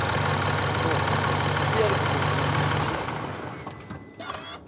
Nu, kial vi konfuziĝis?